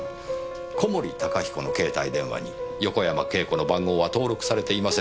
小森高彦の携帯電話に横山慶子の番号は登録されていませんでした。